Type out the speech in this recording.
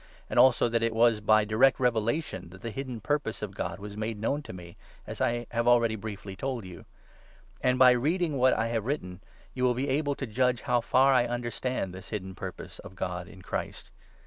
ancj ajSQ tjlat jt wag by (j;rect revelation that 3 the hidden purpose of God was made known to me, as I have already briefly told you. And, by reading what I 4 have written, you will be able to judge how far I understand this hidden purpose of God in Christ.